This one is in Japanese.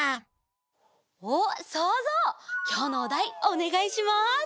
おっそうぞうきょうのおだいおねがいします。